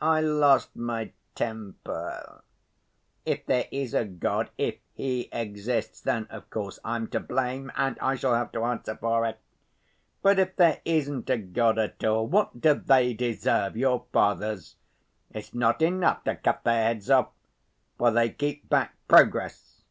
I lost my temper. If there is a God, if He exists, then, of course, I'm to blame, and I shall have to answer for it. But if there isn't a God at all, what do they deserve, your fathers? It's not enough to cut their heads off, for they keep back progress.